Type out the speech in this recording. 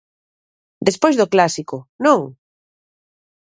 Despois do clásico, non?